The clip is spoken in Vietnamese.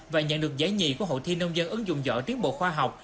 và nhận được giải nhị của hội thi nông dân ứng dụng dõi tiến bộ khoa học